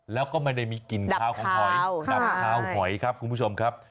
แล้วก็ไม่ได้มีกลิ่นคาวของหอยกับคาวหอยครับคุณผู้ชมครับ